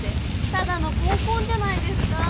ただの合コンじゃないですか。